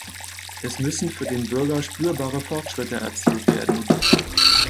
Es müssen für den Bürger spürbare Fortschritte erzielt werden.